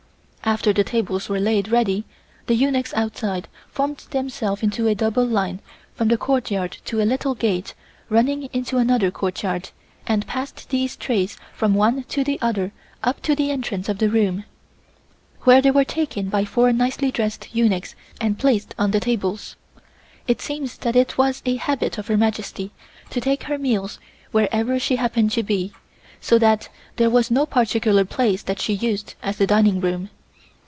After the tables were laid ready, the eunuchs outside formed themselves into a double line from the courtyard to a little gate running into another courtyard and passed these trays from one to the other up to the entrance of the room, where they were taken by four nicely dressed eunuchs and placed on the tables. It seems that it was a habit of Her Majesty to take her meals wherever she happened to be, so that there was no particular place that she used as a dining room.